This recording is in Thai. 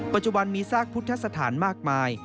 ปัจจุบันมีซากพุทธสถานมากมาย